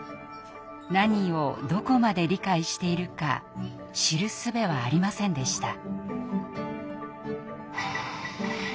何をどこまで理解しているか知るすべはありませんでした。